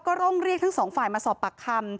ก็ต้องเรียกทั้งสองฝ่ายมาสอบปากคำ